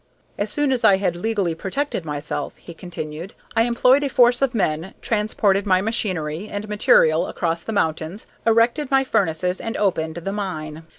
"As soon as I had legally protected myself," he continued, "I employed a force of men, transported my machinery and material across the mountains, erected my furnaces, and opened the mine.